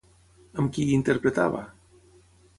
Amb qui hi interpretava?